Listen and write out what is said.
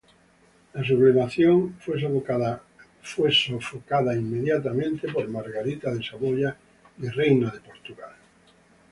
La sublevación fue inmediatamente sofocada por Margarita de Saboya, virreina de Portugal.